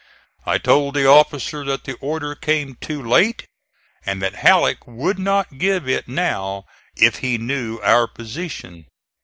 I told the officer that the order came too late, and that Halleck would not give it now if he knew our position.